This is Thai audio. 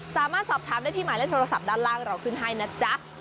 สามารถสอบถามได้ที่หมายเลขโทรศัพท์ด้านล่างเราขึ้นให้นะจ๊ะ